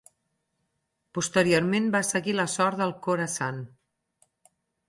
Posteriorment va seguir la sort del Khorasan.